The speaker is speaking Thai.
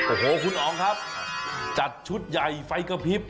โอ้โหคุณอ๋องครับจัดชุดใหญ่ไฟกระพริบ